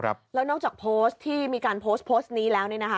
แล้วนอกจากโพสต์ที่มีการโพสต์นี้แล้ว